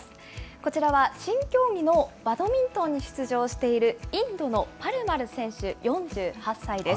こちらは新競技のバドミントンに出場している、インドのパルマル選手４８歳です。